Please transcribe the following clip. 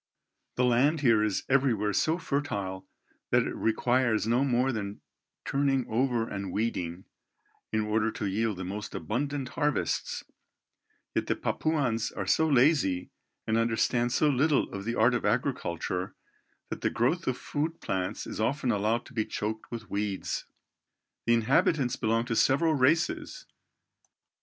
The land here is everywhere so fertile that it requires no more than turning over and weeding, in order to yield the most abundant harvests; yet the Papuans are so lazy and understand so little of the art of agriculture, that the growth of food plants is often allowed to be choked with weeds. The inhabitants belong to several races.